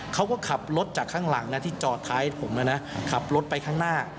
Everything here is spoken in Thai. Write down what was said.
เขาก็ขับรถจากข้างหลังนะที่จอดท้ายผมนะขับรถไปข้างหน้า